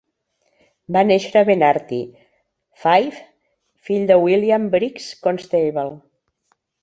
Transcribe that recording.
Va néixer a Benarty, Fife, fill de William Briggs Constable.